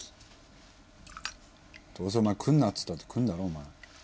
どうせ来んなって言ったって来んだろお前。